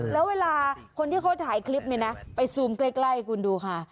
แล้วเวลาคนที่เขาถ่ายคลิปเนี่ยนะไปซูมใกล้คุณดูค่ะ